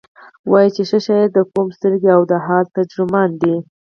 وایي چې ښه شاعر د قوم سترګې او د حال ترجمان دی.